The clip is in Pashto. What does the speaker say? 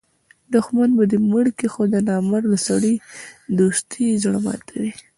دوښمن به دي مړ کي؛ خو د نامرده سړي دوستي زړه ماتوي.